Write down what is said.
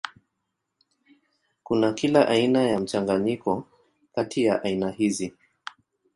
Kuna kila aina ya mchanganyiko kati ya aina hizi.